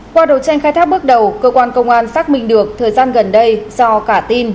qua đầu tranh khai thác bước đầu cơ quan công an xác minh được thời gian gần đây do cả tin